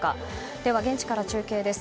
では現地から中継です。